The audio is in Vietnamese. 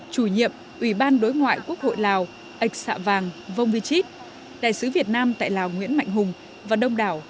chủ nhiệm ủy ban đối ngoại quốc hội lào ệch xạ vàng vông vy chít đại sứ việt nam tại lào nguyễn mạnh hùng và đông đảo